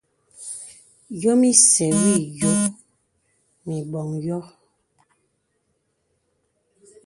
Yɔ̄m isɛ̂ wɔ ìyɔ̄ɔ̄ mə i bɔŋ yɔ̄.